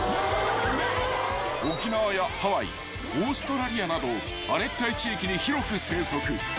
［沖縄やハワイオーストラリアなど亜熱帯地域に広く生息］